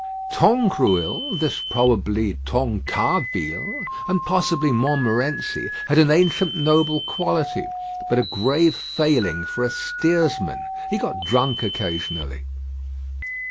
Tangrouille, this probable Tancarville, and possible Montmorency, had an ancient noble quality, but a grave failing for a steersman; he got drunk occasionally.